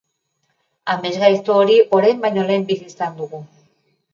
Amesgaizto hori orain baino lehen bizi izan dugu.